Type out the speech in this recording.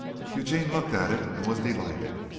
Eugene looked at it and was delighted.